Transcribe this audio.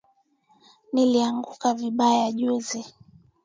Nilianguka vibaya juzi